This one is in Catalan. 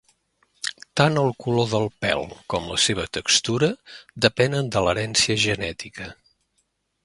Tant el color del pèl com la seva textura depenen de l'herència genètica.